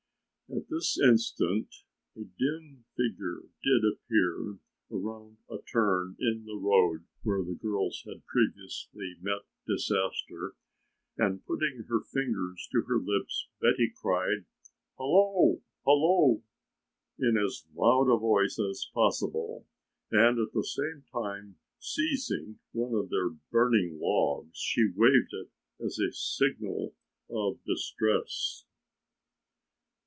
At this instant a dim figure did appear around a turn in the road where the girls had previously met disaster and putting her cold fingers to her lips Betty cried "Halloo, Halloo," in as loud a voice as possible and at the same time seizing one of their burning logs she waved it as a signal of distress.